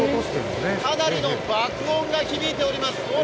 かなりの爆音が響いております。